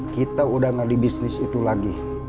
kita udah ngadih bisnis itu lagi